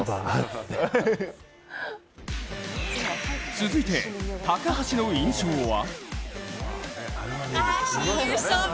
続いて、高橋の印象は？